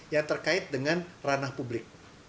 yang terkait dengan ranah publik